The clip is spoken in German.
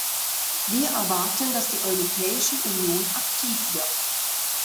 Wir erwarten, dass die Europäische Union aktiv wird.